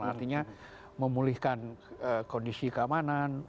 artinya memulihkan kondisi keamanan